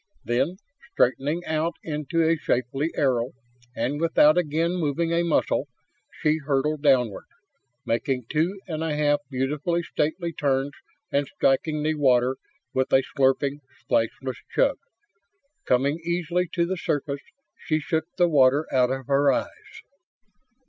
Then, straightening out into a shapely arrow and without again moving a muscle, she hurtled downward, making two and a half beautifully stately turns and striking the water with a slurping, splashless chug! Coming easily to the surface, she shook the water out of her eyes.